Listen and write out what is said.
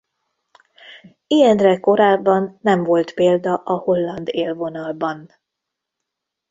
Ilyenre korábban nem volt példa a holland élvonalban.